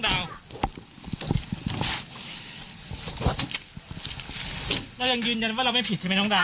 เรายังยืนยันว่าเราไม่ผิดใช่ไหมน้องดาว